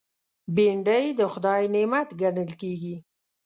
بېنډۍ د خدای نعمت ګڼل کېږي